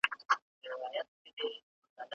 ¬ درسته هغه ده چي په لاس درغله.